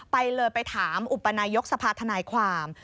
ไปเลยไปถามอุปนายกสภาธนายความ